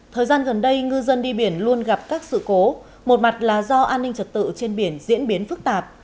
thời gian gần đây ngư dân đi biển luôn gặp các sự cố một mặt là do an ninh trật tự trên biển diễn biến phức tạp